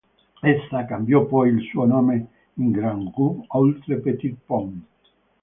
Essa cambiò poi il suo nome in "Grant-Rue-Oultre-Petit-Pont".